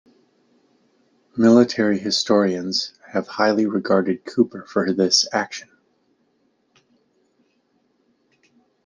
Military historians have highly regarded Cooper for this action.